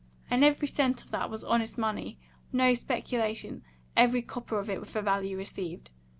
And every cent of that was honest money, no speculation, every copper of it for value received.